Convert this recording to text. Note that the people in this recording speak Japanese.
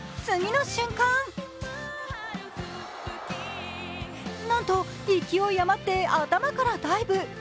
次ぎの瞬間なんと、勢い余って頭からダイブ。